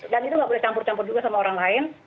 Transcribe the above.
dan itu nggak boleh campur campur juga sama orang lain